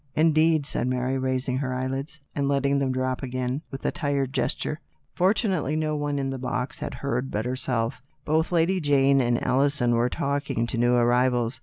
" Indeed," said Mary, raising her eyelids, and letting them drop again with a tired gesture. Fortunately, no one in the box had A COMEDY IN REAL LIFE. 211 heard but herself. Both Lady Jane and Alison were talking to new arrivals.